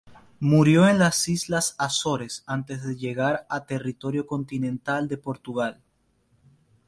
Murió en las islas Azores, antes de llegar a territorio continental de Portugal.